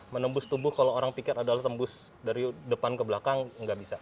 menembus tubuh kalau orang pikir adalah tembus dari depan ke belakang nggak bisa